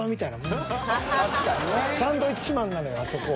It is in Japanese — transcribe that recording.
サンドウィッチマンなのよあそこは。